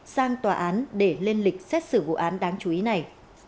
sang tòa án để lên lịch xét xử vụ án đáng chú ý này